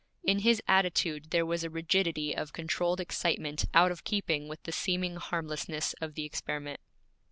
In his attitude there was a rigidity of controlled excitement out of keeping with the seeming harmlessness of the experiment.